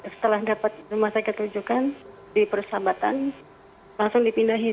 setelah dapet rumah sakit terujukan di persahabatan langsung dipindahin